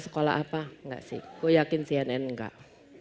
sekolah apa enggak sih gue yakin cnn enggak